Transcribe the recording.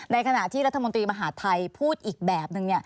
ในขณะที่รัฐมนตรีมหาดไทยพูดอีกแบบนึง